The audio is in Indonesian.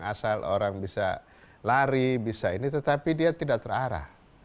asal orang bisa lari bisa ini tetapi dia tidak terarah